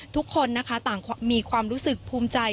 ทุกคนนะคะต่างมีความรู้สึกภูมิใจ